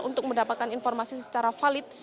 untuk mendapatkan informasi secara valid